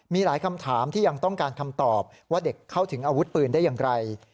มีหลายคำถามที่ยังต้องการคำตอบว่าเด็กเข้าถึงอาวุธปืนได้อย่างไร